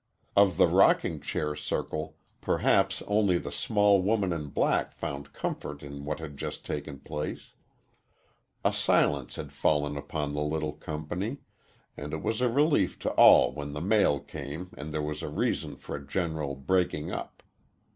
Of the rocking chair circle, perhaps only the small woman in black found comfort in what had just taken place. A silence had fallen upon the little company, and it was a relief to all when the mail came and there was a reason for a general breaking up.